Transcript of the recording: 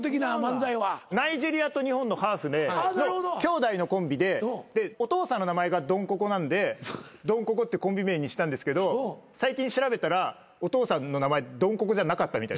ナイジェリアと日本のハーフで兄弟のコンビででお父さんの名前がドンココなんでドンココってコンビ名にしたんですけど最近調べたらお父さんの名前ドンココじゃなかったみたいです。